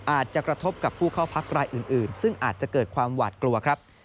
อาจจะกระทบกับผู้เข้าพักรายอื่นซึ่งอาจจะเกิดความหวาดกลัวครับ